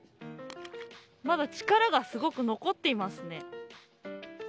まだ力がすごく残っていますね。